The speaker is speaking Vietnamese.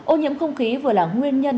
ô nhiễm không khí vừa là nguyên nhân